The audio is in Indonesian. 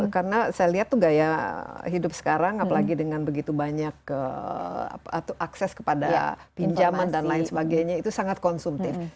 karena saya lihat tuh gaya hidup sekarang apalagi dengan begitu banyak akses kepada pinjaman dan lain sebagainya itu sangat konsumtif